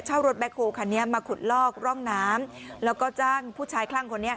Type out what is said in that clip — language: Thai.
รถแคลคันนี้มาขุดลอกร่องน้ำแล้วก็จ้างผู้ชายคลั่งคนนี้